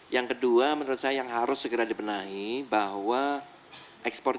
yang kedua menurut saya yang harus segera dibenahi bahwa ekspor